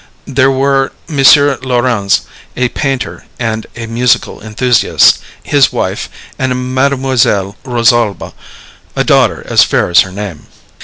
There were M. Laurens, a painter and a musical enthusiast, his wife, and Mademoiselle Rosalba, a daughter as fair as her name.